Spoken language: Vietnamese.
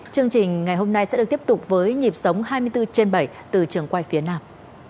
chương trình ngày hôm nay sẽ được tiếp tục với nhịp sống hai mươi bốn trên bảy từ trường quay phía nam